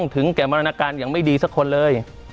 ถึงแก่มรณาการอย่างไม่ดีสักคนเลย